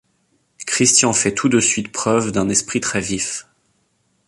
Christian fait tout de suite preuve d’un esprit très vif.